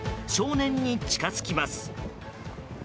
少年に近づきます。